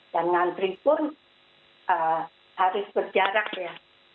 ngantri pun harus berjarak ya